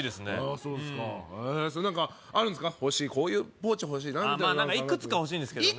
そうですかそれ何かあるんですかこういうポーチ欲しいなみたいなああまあ何かいくつか欲しいんですけどね